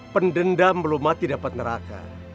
pendendam belum mati dapat neraka